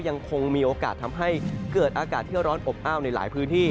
ยังคงมีโอกาสทำให้เกิดอากาศที่ร้อนอบอ้าวในหลายพื้นที่